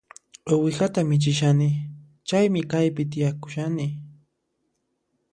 Uwihata michishani, chaymi kaypi tiyakushani